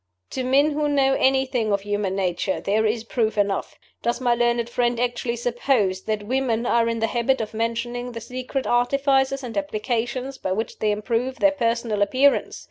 To men who know anything of human nature, there is proof enough. Does my learned friend actually suppose that women are in the habit of mentioning the secret artifices and applications by which they improve their personal appearance?